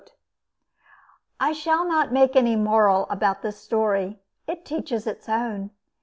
I shall not make any "moral" about this story. It teaches its own.